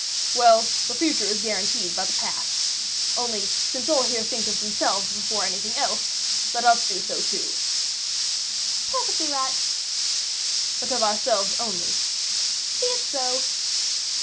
"Well, the future is guaranteed by the past. Only, since all here think of themselves before anything else, let us do so too." "Perfectly right." "But of ourselves only." "Be it so."